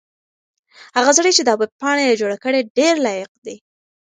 هغه سړی چې دا ویبپاڼه یې جوړه کړې ډېر لایق دی.